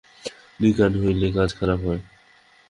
দুই-কান হইলেই কাজ খারাপ হয়।